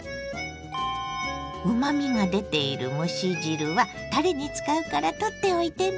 うまみが出ている蒸し汁はたれに使うから取っておいてね。